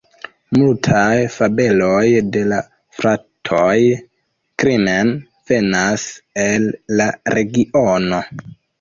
Multaj fabeloj de la fratoj Grimm venas el la regiono.